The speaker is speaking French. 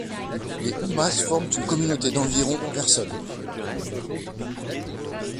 Les Houmas forment une communauté d'environ personnes.